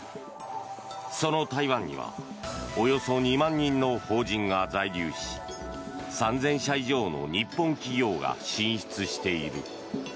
その台湾にはおよそ２万人の邦人が在留し３０００社以上の日本企業が進出している。